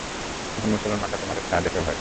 এখন মুসলমানরা তোমাদের ছায়া দেখেও ভয় পাবে।